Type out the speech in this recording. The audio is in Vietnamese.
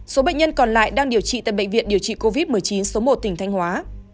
số bệnh nhân còn lại đang điều trị tại bệnh viện điều trị covid một mươi chín số một tỉnh thanh hóa